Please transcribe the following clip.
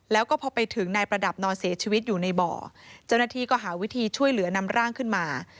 แล้วก็พอไปถึงนายประดับนอนเสียชีวิตอยู่ในบ่อเจ้าหน้าที่ก็หาวิธีช่วยเหลือนำร่างขึ้นมา